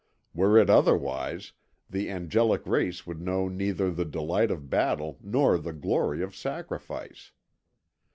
Were it otherwise the angelic race would know neither the delight of battle nor the glory of sacrifice.